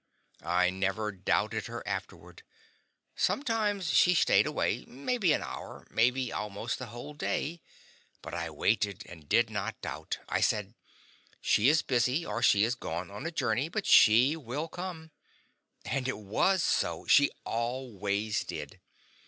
I never doubted her afterward. Sometimes she stayed away maybe an hour, maybe almost the whole day, but I waited and did not doubt; I said, "She is busy, or she is gone on a journey, but she will come." And it was so: she always did.